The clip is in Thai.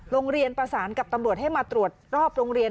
โรงเรียนประสานกับตำรวจให้มาตรวจรอบโรงเรียน